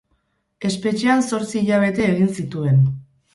Espetxean zortzi hilabete egin zituen.